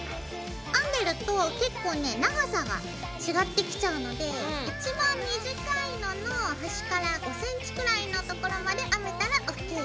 編んでると結構ね長さが違ってきちゃうので一番短いののはしから５ｃｍくらいのところまで編めたらＯＫ。